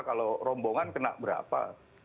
kalau rombongan kena berapa